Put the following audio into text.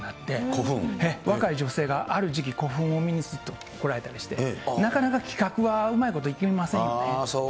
若い女性がある時期、古墳を見に来られたりして、なかなか企画はうまいこといきませんよね。